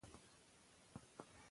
چې څو کاله مخکې يې موټر ټکر کړ؟